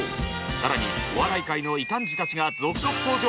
更にお笑い界の異端児たちが続々登場。